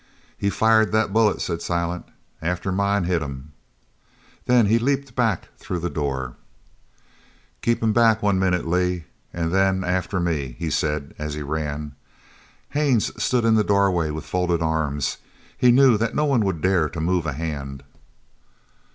"He fired that bullet," said Silent, "after mine hit him." Then he leaped back through the door. "Keep 'em back one minute, Lee, an' then after me!" he said as he ran. Haines stood in the door with folded arms. He knew that no one would dare to move a hand.